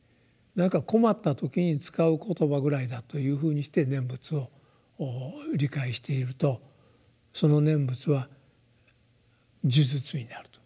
「何か困った時に使う言葉ぐらいだ」というふうにして「念仏」を理解しているとその「念仏」は「呪術」になると。